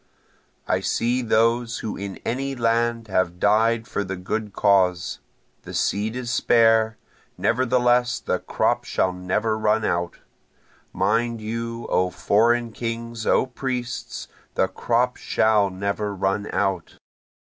I see those who in any land have died for the good cause, The seed is spare, nevertheless the crop shall never run out, (Mind you O foreign kings, O priests, the crop shall never run out.)